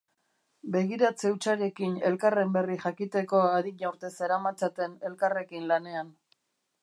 Begiratze hutsarekin elkarren berri jakiteko adina urte zeramatzaten elkarrekin lanean.